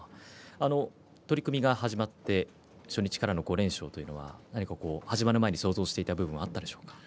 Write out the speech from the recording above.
取組が始まって初日からの５連勝というのは始まる前に想像していた部分があったでしょうか。